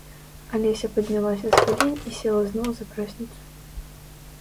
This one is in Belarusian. Алеся паднялася з калень і села зноў за прасніцу.